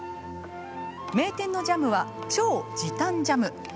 名店のジャムは超時短ジャム。